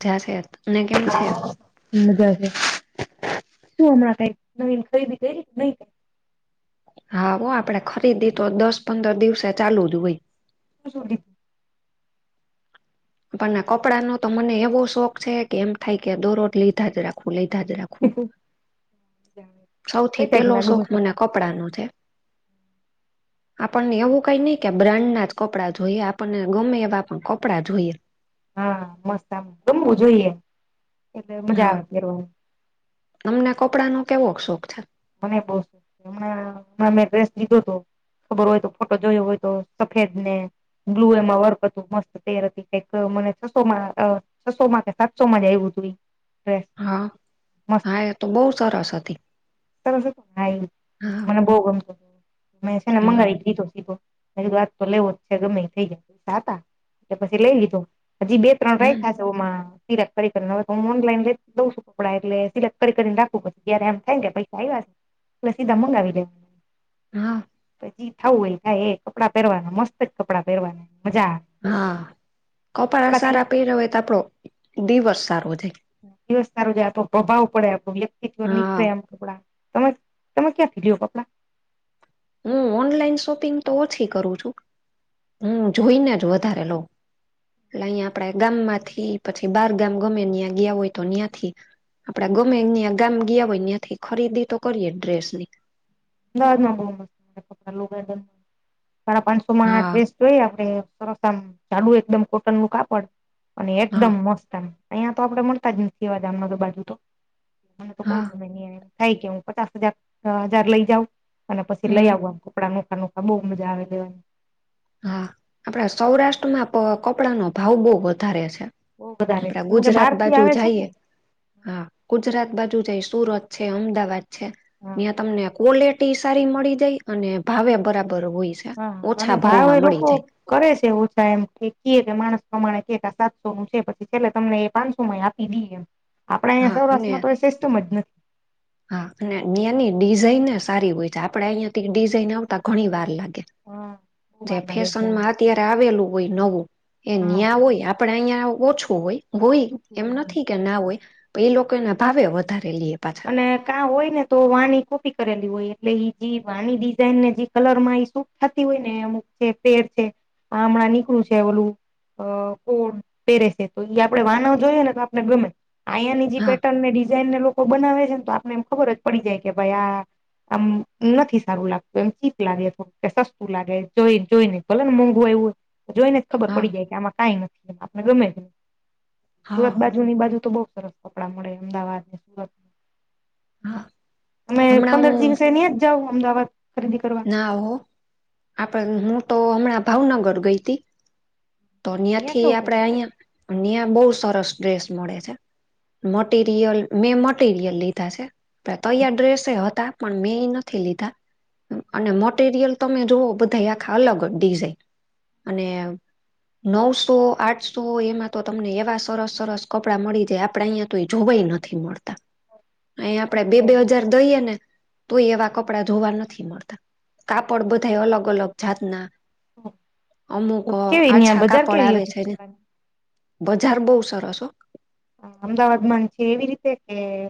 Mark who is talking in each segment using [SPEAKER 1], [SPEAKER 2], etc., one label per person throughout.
[SPEAKER 1] જ છે અને કેમ છે.
[SPEAKER 2] મજા છે. શું હમણાં કઈ નવીન કઈ ઈન્કાયરી કયરી કે નય.
[SPEAKER 1] હા હો આપડે ખરીદી તો દસ પંદર દિવસે ચાલુ જ હોય.
[SPEAKER 2] સુધી
[SPEAKER 1] પણ કપડાં નો તો મને એવો શોખ છે કે એમ થાય કે દરોજ લીધા જ રાખવું લીધા જ રાખું.
[SPEAKER 2] [unintelligible] હા જવે
[SPEAKER 1] સૌથી પેલો શોખ મને કપડા નો છે. આપણને એવું કઈ નઈ કે બ્રાન્ડના જ કપડાં જોઈએ. આપણને ગમે એવા કપડાં જોઈએ.
[SPEAKER 2] હા મસ્ત આ ગમવું જોઈએ એટલે મજા
[SPEAKER 1] હા
[SPEAKER 2] આવે પેરવાની
[SPEAKER 1] તમને કપડાં નો કેવો શોખ છે?
[SPEAKER 2] મને યે બો સુખ છે હમણાં હમણાં મેં ડ્રેસ લીધો તો ખબર હોય તો ફોટો જોયો હોય તો સફેદ ને બ્લુ એમાં વર્ક હતું મસ્ત પેયરો કે કઈક મને છસો માં છસો માં કે સાતસો માં જા આયવું તું એ.
[SPEAKER 1] હા હા એ તો બો સરસ હતી.
[SPEAKER 2] તમે જોતો હા ઈ
[SPEAKER 1] હા
[SPEAKER 2] મને બો ગમતો તો. મેં છે ને
[SPEAKER 1] હા
[SPEAKER 2] મંગાવી લીધો સીધો મે કીધું આજ તો લેવો જ છે ગમે ઈ થઈ જાય હતા. એ પછી લઈ લીધો હજી બે ત્રણ
[SPEAKER 1] હમ
[SPEAKER 2] રાયખા છે ઓમાં સિલેક્ટ કરીને હવે તો હું ઓનલાઈન લ જઉ છું કપડા એટલે સિલેક્ટ કરીને રાખું પછી જયારે એમ થાય કે ભાઈ વાત પસી સીધા મંગાવી લવ.
[SPEAKER 1] હા.
[SPEAKER 2] પછી જે થવું હોય થાય એ કપડાં પહેરવાના મસત જ કપડાં પહેરવાના મજા આવે.
[SPEAKER 1] હા કપડા
[SPEAKER 2] કપડાથી
[SPEAKER 1] સારા પેયરા હોય તો આપડો દિવસ સારો જાય.
[SPEAKER 2] દિવસ સારો જાય તો આપડો પ્રભાવ સારો પડે વ્યક્તિર
[SPEAKER 1] હા
[SPEAKER 2] નીખરેે એમ કપડાં. તમે તમે ક્યાં થી લીયો કપડાં?
[SPEAKER 1] હું ઓનલાઈન શોપિંગ તો ઓછી કરું છું. હું જોઈને જ વધારે લઉં. એટલે અહીંયા આપડા ગામ માંથી પછી બાર ગામ ગમે ત્યાં ગયા હોય તો ત્યાંથી. આપડા ગમે યાં ગામ ગીયા હોય ત્યાંથી ખરીદી તો કરીએ ડ્રેસ ની.
[SPEAKER 2] અમદાવાદ માં બો મસ્ત મળે કપડા સાડા પાંન સો માં
[SPEAKER 1] હા
[SPEAKER 2] ડ્રેસ કેવુ આપણે સરસ આમ જાડુ એકદમ કોટન નું કાપડ અને
[SPEAKER 1] હા
[SPEAKER 2] એકદમ મસ્ત આમ અહીયાં તો આપડે મળતા જ નથી આ ગામડા બાજુ તો મને તો બો
[SPEAKER 1] હા
[SPEAKER 2] ગમે ત્યાં થાય કે હું પચાસ હજાર હજાર લઈ જાઉં અને પછી લઈ
[SPEAKER 1] હમ
[SPEAKER 2] આવું આમ કપડા નુ આ બો મજા આવે એમ
[SPEAKER 1] હા આપડા સૌરાષ્ટ્રમાં તો કપડા નો ભાવ બો વધારે છે.
[SPEAKER 2] બહુ બધા રહેશે
[SPEAKER 1] આપડા
[SPEAKER 2] કેમ કે
[SPEAKER 1] ગુજરાત
[SPEAKER 2] બહાર થી
[SPEAKER 1] બાજુ
[SPEAKER 2] આવે છે
[SPEAKER 1] જાઈએ
[SPEAKER 2] ને
[SPEAKER 1] હા ગુજરાત બાજુ જાય સુરત છે, અમદાવાદ છે
[SPEAKER 2] હા
[SPEAKER 1] ત્યાં તમને કોલેટ કોલેટી સારી મળી જાય અને ભાવે બરાબર હોય છે.
[SPEAKER 2] હા અને
[SPEAKER 1] ઓછા
[SPEAKER 2] ભાવ
[SPEAKER 1] ભાવમાં
[SPEAKER 2] એ
[SPEAKER 1] મળી
[SPEAKER 2] લોકો
[SPEAKER 1] જાય
[SPEAKER 2] કરે છે ઓછા એમ કે ઈ કે માણસ પ્રમાણે કે સાતસો નું છે પછી છેલ્લે તમને એ પાંન સો માં આપ આપી દી એમ આપડા અહીંયા
[SPEAKER 1] હા અને
[SPEAKER 2] સૌરાષ્ટ્રમાં તો સિસ્ટમ જ નથી.
[SPEAKER 1] હા, અને તની ડિઝાઇન સારી હોય છે, આપડે અહિયાથી ડિઝાઇન આવતા, ઘણી વાર લાગે.
[SPEAKER 2] હા બહુ
[SPEAKER 1] જે
[SPEAKER 2] વાર લાગે છે
[SPEAKER 1] ફેશનમાં અત્યારે આવેલું હોય નવું. એ
[SPEAKER 2] હા
[SPEAKER 1] નયા હોય, આપડે અહિયાં ઓછું હોય, એમ નથી. ના હોય, તો એ લોકોના ભાવે વધારે લઈએ પાછું.
[SPEAKER 2] અને કા હોય ને, તો વાની કોપી કરેલી હોય, એટલે ઈ જે વાની ડિઝઇન ને જે કલર માં ઈ શું? થતી હોય ને, અમુક છે, પેર છે, હમણાં નીકળું છે, ઓલું. અ, કોડ પેરેસે તો એઈ આપડે વાના જોઈએ ને, તો આપને ગમે. અહીંયાની જે
[SPEAKER 1] હા
[SPEAKER 2] પેટર્ન ને ડિઝાઇન ને, લોકો બનાવે છે ને, તો આપને એમ ખબર જ પડી જાય કે, ભાઈ, આ. આમ નથી સારું લાગતું, એમ ચીપ લાગે, થોડું સસ્તું લાગે, જોઈ જોઈને ભલે ને, મોંઘું આવવું હોય. જોઈને જ ખબર
[SPEAKER 1] હા
[SPEAKER 2] પડી જાય કે, આમાં કઈ નથી, એ આપને ગમે છે,
[SPEAKER 1] હા
[SPEAKER 2] સુરત બા બાજુની બાજુ તો બહુ સરસ કપડા મળે, અમદાવાદ ને, સુરતને.
[SPEAKER 1] હા
[SPEAKER 2] અમે
[SPEAKER 1] હમણાં
[SPEAKER 2] પંદર
[SPEAKER 1] હું
[SPEAKER 2] દિવસેની જ જાવ, અમદાવાદ ખરીદી કરવા.
[SPEAKER 1] ના, હો, આપડે હું તો હમણાં ભાવનગર ગઈ હતી. તો
[SPEAKER 2] ન્યાં
[SPEAKER 1] અહીયાંથી
[SPEAKER 2] કેવું
[SPEAKER 1] આપણેે, અહીં, અહીંયા બહુ સરસ ડ્રેસ મળે છે. મટીરિયલ મેં મટીરિયલ લીધા છે. પ તૈયાર ડ્રેસે હતા પણ મેં એ નથી લીધા. અને મટેરિયલ તમે જોવો બધા આખા અલગ જ ડિઝઇન અને. નવસો આઠસો એમાં તો તમને એવા સરસ સરસ કપડાં મળી જાય આપડે અહીંયા. તો એ જોવા નથી મળતો. આ આપણેે બે બે
[SPEAKER 2] હતું
[SPEAKER 1] હજાર દઈએ ને તોય એવા કપડા જોવા નથી મળતા. કાપડ બધા અલગ અલગ જાતના અમુક
[SPEAKER 2] તો કેવી ન્યાં
[SPEAKER 1] આછા
[SPEAKER 2] બજાર
[SPEAKER 1] કાપડ
[SPEAKER 2] કેવી
[SPEAKER 1] આવે
[SPEAKER 2] હતી
[SPEAKER 1] છે. ને
[SPEAKER 2] કપડાની
[SPEAKER 1] બજાર બહુ સરસ હો.
[SPEAKER 2] હા અમદાવાદ માં છે એવી રીતે એ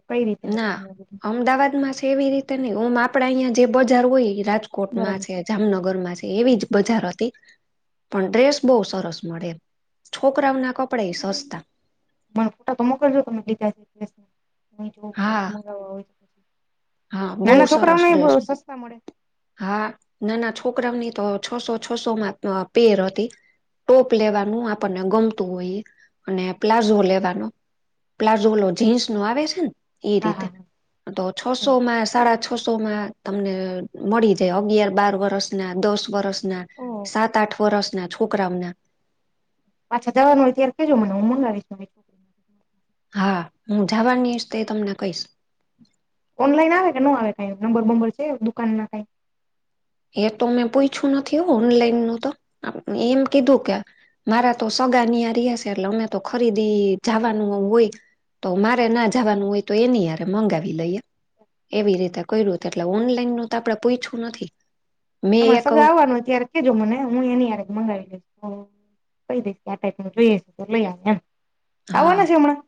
[SPEAKER 2] કઈ રીતે હતું
[SPEAKER 1] ના
[SPEAKER 2] ન્યાં બધું?
[SPEAKER 1] અમદાવાદ માં છે એવી રીતે નહીં ઓમ આપડા અહીંયા જે બજાર હોય એ રાજકોટમાં
[SPEAKER 2] બરાબર
[SPEAKER 1] છે. જામનગર માં છે. એવી જ બજાર હતી પણ ડ્રેસ બહુ સરસ મળે છોકરાઓ ના કપડા સસ્તા
[SPEAKER 2] મને ફોટા તો મોકલજો તમે લીધા છે
[SPEAKER 1] હા
[SPEAKER 2] [unintelligible]
[SPEAKER 1] હા બહુ
[SPEAKER 2] નાના છોકરાઓ
[SPEAKER 1] સરસ
[SPEAKER 2] ને
[SPEAKER 1] ડ્રેસ
[SPEAKER 2] સસ્તા મળે
[SPEAKER 1] હા નાના છોકરાઓની તો છસો છસો માં પેર હતી ટોપ લેવાનું આપણને ગમતું હોય. અને પ્લાઝો લેવાનો પ્લાઝો ઓલો જીન્સ નો આવે છે ને ઈ
[SPEAKER 2] હા
[SPEAKER 1] રીતે
[SPEAKER 2] હા
[SPEAKER 1] તો છસો
[SPEAKER 2] હા
[SPEAKER 1] માં સાડા છસો માં તમને મળી જાય અગિયાર બાર વર્ષ ના દસ વર્ષ
[SPEAKER 2] ઓહ,
[SPEAKER 1] સાત આઠ વર્ષ ના છોકરાઓના
[SPEAKER 2] પાછા જવાનું હોય ત્યારે કેજો મને હું મંગાવીશ છોકરીને
[SPEAKER 1] હા હું જવાની તો તમને કહીશ
[SPEAKER 2] ઓનલાઈન આવે કે ન આવે કઈ નંબર બબર છે. દુકાન ના કઈ
[SPEAKER 1] એ તો મેં પૂછ્યું નથી ઓનલાઈન નું તો એમ કીધું કે મારા તો સગા રહે છે. એટલે અમે તો ખરીદી જાવાનું હોય તો મારે ના જવાનું હોય તો એની હારે મંગાવી લઈએ. એવી રીતે કર્યું એટલે ઓનલાઈન નું તો આપડે પૂછયું નથી મેં
[SPEAKER 2] તમારે
[SPEAKER 1] એક
[SPEAKER 2] સગા આવવાના ત્યારે કેજો મને હું એની હારે જ મંગાવી લઈશ કહી દેશ આ ટાઈપ જોઈએ છે તો લઈ આવે એમ
[SPEAKER 1] હા
[SPEAKER 2] આવવાના છે હમણાં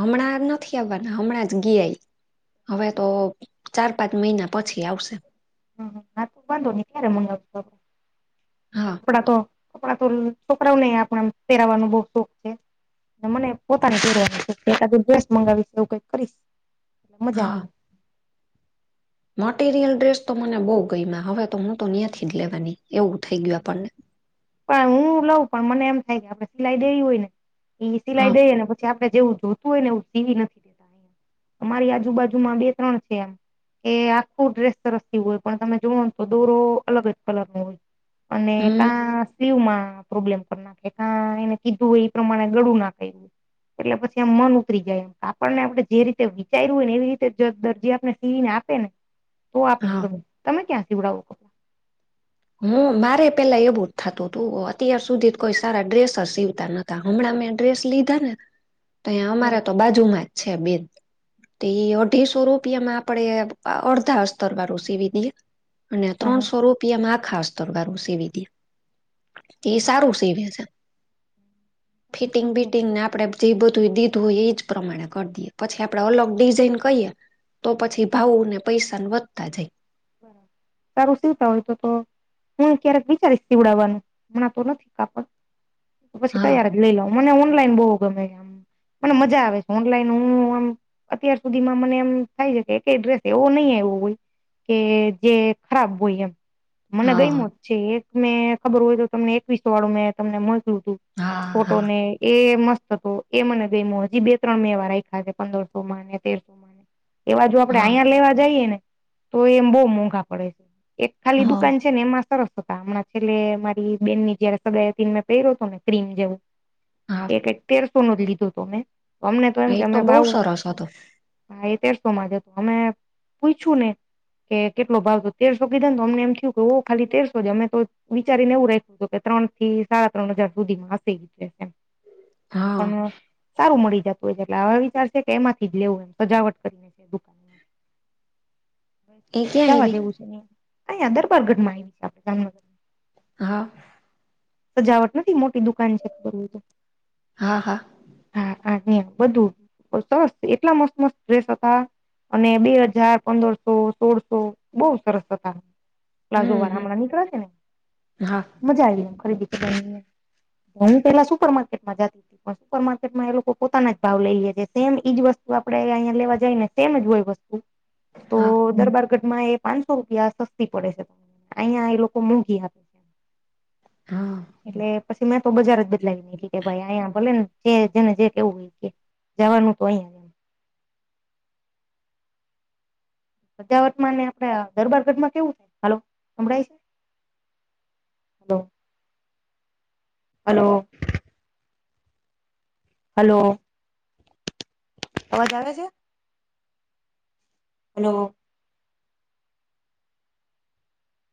[SPEAKER 1] હમણાં નથી આવવાના હમણાં ગયા હવે તો ચાર પાંચ મહિના પછી આવશે.
[SPEAKER 2] હા તો વાંધો નહી ક્યારે મંગાવું
[SPEAKER 1] હા
[SPEAKER 2] કપડા તો કપડાં તો છોકરાઓ ને આપણાને પહેરાવવાનો બહુ શોખ છે. મને પોતાને પેરવાનો [unintelligible] ડ્રેસ મંગાવી લઉ એવું કઈક કરી મજા
[SPEAKER 1] હા
[SPEAKER 2] આવે
[SPEAKER 1] મટીરિયલ ડ્રેસ તો મને બહુ ગમ્યા હવે તો હું તો ન્યાંથી જ લેવાની એવું થઇ ગયું આપણને.
[SPEAKER 2] પણ હું લઉં પણ મને એમ થાય ગયા સિલાઈ હોય ને એ સિલાઈ
[SPEAKER 1] હા
[SPEAKER 2] દઈને આપડે જેવું જોતું હોય ને એવું સીવી નથી દેતા અહીં અમારી આજુબાજુમાં બે ત્રણ છે. એમ એ આખું ડ્રેસ સરસ સિવું હોય પણ તમે જોવો ને તો દોરો અલગ જ કલર નો હોય. અને
[SPEAKER 1] હમ
[SPEAKER 2] કા શીવમા પ્રોબ્લેમ પણ નાખે એને કીધુંય એ પ્રમાણે ગળું નાખે એટલે પછી આમ મન ઉતરી જાય આપણને આપણે જે રીતે વિચાર્યું હોય ને એવી રીતે દરજી આપણ ને સીવી ને આપે ને તો આપને
[SPEAKER 1] હા
[SPEAKER 2] ગમે તમે ક્યાં સીવડાવો કપડા
[SPEAKER 1] હું મારે પેલા એવું જ થતું હતું અત્યાર સુધી જ કોઈ સારા ડ્રેસ સીવતા નથી હમણાં મેં ડ્રેસ લીધા ને તો
[SPEAKER 2] બરાબર
[SPEAKER 1] અમારા તો બાજુમાં જ છે બેન તો એ અઢીસો રૂપિયા માં આપડે અડધા અસ્તર વાળું સીવી દઈએ. અને
[SPEAKER 2] હ
[SPEAKER 1] ત્રણસો રૂપિયામાં આખા અસ્તર વાળું સીવી દે. એ સારું સીવે છે. ફિટિંગ
[SPEAKER 2] હ
[SPEAKER 1] બિટિંગ ને આપડે જે બધું દીધું હોય, એજ પ્રમાણે કરી દઈએ, પછી આપડે અલગ ડિઝઇન કહીએ. તો પછી ભાવુંને પૈસા વધતા જાય.
[SPEAKER 2] બ સારું સીવતા હોય, તો તો‌. હું ક્યારેક વિચારીશ પીવડાવવાનું, હમણાં તો નથી, કાપડ પછી
[SPEAKER 1] હા
[SPEAKER 2] તૈયાર જ લઈ લાવ. મને ઓનલાઈન બહુ ગમે, આમ મને મજા આવે છે, ઓનલાઈન હું આમ. અત્યાર સુધી માં મને એમ થાય છે કે, એક ડ્રેસ એવો નહીં આવો હોય. કે જે ખરાબ હોય, એમ મને
[SPEAKER 1] હા
[SPEAKER 2] ગઈ. એક મેં ખબર હોય તો, તમને એકવીસો વાળું મેં. તમને મળતું હતું,
[SPEAKER 1] હા
[SPEAKER 2] ફોટો
[SPEAKER 1] હા
[SPEAKER 2] ને એ મસ્ત. તો એ મને ગઈ, હજી બે મ-ત્રણ મે એવા રાખ્યા છે, પંદરસો માં તેરસો માં. ને. એવા જો આપડે
[SPEAKER 1] હા
[SPEAKER 2] અહીંયા લેવા જઈએ ને, તો એમ બહુ મોંઘા પડે છે, એક ખાલી
[SPEAKER 1] હા
[SPEAKER 2] દુકાન. ને એમાં સરસ હતા, હમણાં છેલ્લે મારી બેન ની જયારે સગાય હતી, મેં પહેરયો હતો ને, ક્રીમ જેવું.
[SPEAKER 1] હા
[SPEAKER 2] એ કક તેરસો નો જ લીધો હતો, મેમે અમને તો એમ
[SPEAKER 1] એ
[SPEAKER 2] કે અમે
[SPEAKER 1] બહુ
[SPEAKER 2] ભાવું.
[SPEAKER 1] સરસ હતો
[SPEAKER 2] હા, એ તેરસો માં જ તો, અમે પૂછુ ને. કે કેટલો ભાવ તો તેરસો કીધા, તો અમને એમ થયું કે, ઓ ખાલી તેરસો જ અમે તો. વિચારીને એવું રાખું હતું, કે ત્રણ થી સાડા ત્રણ હજાર સુધીમાં હસી.
[SPEAKER 1] હા
[SPEAKER 2] પણ સારું મળી જતું હોય છે, એટલે આવા વિચાર છે કે, એમાંથી જ લેવું, એમ સજાવટ કરી. દુકાનમાં.
[SPEAKER 1] એ ક્યાં
[SPEAKER 2] જવા
[SPEAKER 1] એવી
[SPEAKER 2] જેવું છે, અં દરબાર ગઢ માં આવી છે, આપડે જામનગર.
[SPEAKER 1] હા.
[SPEAKER 2] સજાવટ નથી, મોટી દુકાન છે, ખબર.
[SPEAKER 1] હા, હા.
[SPEAKER 2] હા, હા, બધું સરસ. એટલા મસ્ત-મસ્ત ડ્રેસ હતા. અને બે હજાર પંદરસો, સોળસો બઉુ સરસ હતા. પ્લાઝો
[SPEAKER 1] હમ
[SPEAKER 2] વારામણા નીકળે છે ને,
[SPEAKER 1] હા
[SPEAKER 2] મજા આઈ એ ખરીદી. હું પેલા સુપર માર્કેટમાં જતી. પણ સુપર માર્કેટમાં એ લોકો પોતાના જ ભાવ લઈએે છે, સેમ ઈજ વસ્તુ આપડે અહિયા લેવા જાય ને. તેમ જ હોય વસ્તુ, તો
[SPEAKER 1] હા
[SPEAKER 2] દરબ માં એ પાંચસો રૂપિયા સસ્તી પડે છે ને, અહિયાં એ લોકો મોંઘી આપે. છે
[SPEAKER 1] હા.
[SPEAKER 2] એટલે પછી મેં તો બજાર જ બદલાવીને, એટલી કે, ભાઈ, અહીંયા ભલે ને, જે જેને જે કેવું હોય કે. જવાનું તો અહીંયા. સજાવટ માં ને, આપડા દરબાર ઘઢમાં કેવું થાય? હલો, સંભળાય છે? હલો. હલો. હલો. આવજ આવે છે. હલો.